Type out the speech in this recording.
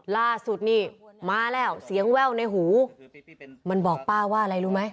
ล่าสุดนี่มาแล้วเสียงแว่วในหูมันบอกป้าว่าอะไรรู้ไหม